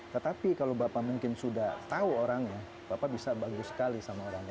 tetapi kalau bapak mungkin sudah tahu orangnya bapak bisa bagus sekali sama orangnya